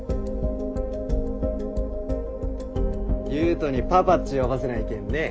優斗に「パパ」っち呼ばせないけんね。